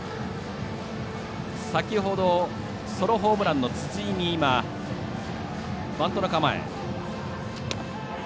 先ほどソロホームランの辻井、バントの構え。